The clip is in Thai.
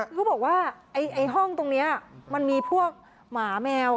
ก็บอกว่าห้องตรงนี้มันมีพวกหมาแมว